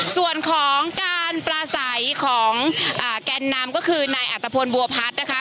ส่วนของการประสัยของแนะนำก็คือในอัตภพวนบัวพัดนะคะ